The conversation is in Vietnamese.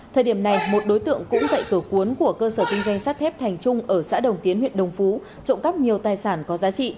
thời điểm này một đối tượng cũng cậy cửa cuốn của cơ sở kinh doanh sắt thép thành trung ở xã đồng tiến huyện đồng phú trộm cắp nhiều tài sản có giá trị